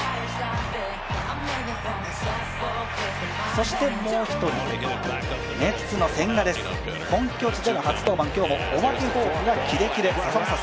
そしてもう一人、メッツの千賀です、本拠地の初登板、お化けフォークがキレッキレ。